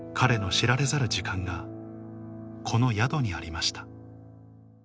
知られざる時間がこの宿にありました